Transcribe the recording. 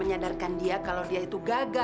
ayo jangan buang waktu lagi